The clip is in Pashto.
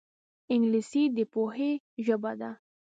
انګلیسي د پوهې ژبه ده